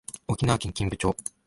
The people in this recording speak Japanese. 沖縄県金武町